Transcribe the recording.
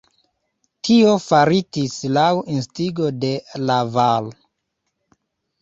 Tio faritis laŭ instigo de Laval.